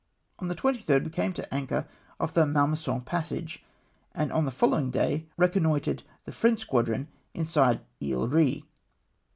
On the 23rd we came to an anchor off the Mal maison passage, and on the foUowing day reconnoitred the French squadron inside Isle Ehe.